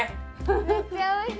めっちゃおいしい！